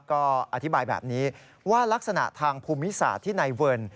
ก็อธิบายแบบนี้ว่ารักษณะทางภูมิศาสตร์ที่นายเวิร์น